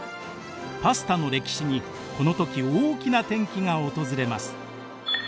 パスタの歴史にこの時大きな転機が訪れます。